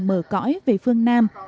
mở cõi về phương nam